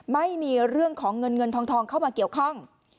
ไม่มีเรื่องของเงินเงินทองเข้ามาเกี่ยวข้อง